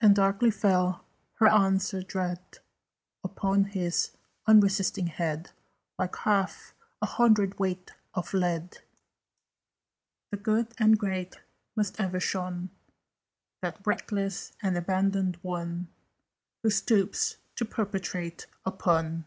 And darkly fell her answer dread Upon his unresisting head, Like half a hundredweight of lead. "The Good and Great must ever shun That reckless and abandoned one Who stoops to perpetrate a pun.